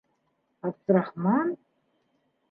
Абдрахман?